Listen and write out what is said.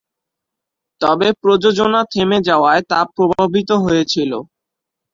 তবে প্রযোজনা থেমে যাওয়ায় তা প্রভাবিত হয়েছিল।